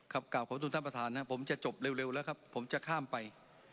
กล่าวขอบคุณท่านประธานนะผมจะจบเร็วแล้วครับผมจะข้ามไป